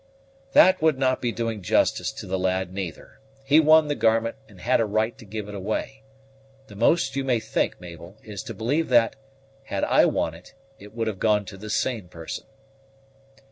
"That would not be doing justice to the lad, neither. He won the garment, and had a right to give it away. The most you may think, Mabel, is to believe that, had I won it, it would have gone to the same person."